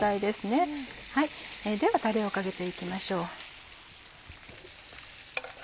ではタレをかけて行きましょう。